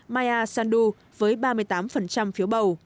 maya sandu với ba mươi tám phiếu bầu